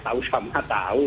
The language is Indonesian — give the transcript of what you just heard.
tahu sama sama tahu